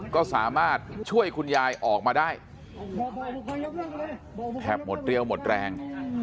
ก็สามารถช่วยคุณยายออกมาได้แทบหมดเรี่ยวหมดแรง